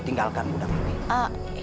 tinggalkan gudang ini